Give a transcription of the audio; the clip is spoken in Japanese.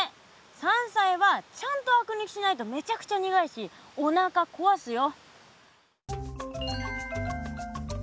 山菜はちゃんとあく抜きしないとめちゃくちゃ苦いしおなかこわすよ。